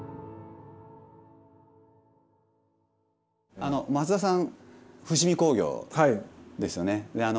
あの松田さん伏見工業ですよね。